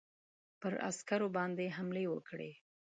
پر عسکرو باندي حملې وکړې.